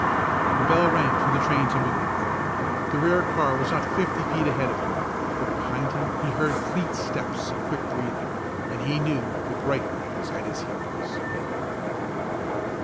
The bell rang for the train to move. The rear car was not fifty feet ahead of him; but behind him he heard fleet steps and quick breathing, and he knew that Brightly was at his heels.